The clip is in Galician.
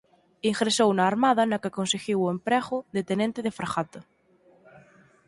Ingresou na Armada na que conseguiu o emprego de Tenente de Fragata.